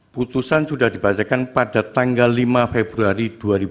putusan sudah dibacakan pada tanggal lima februari dua ribu dua puluh